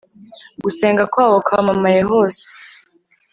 gusenga kwabo kwamamaye hose